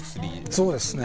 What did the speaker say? そうですね。